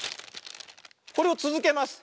これをつづけます。